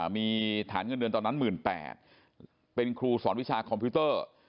มีฐานเงินเดือนตอนนั้น๑๘๐๐เป็นครูสอนวิชาคอมพิวเตอร์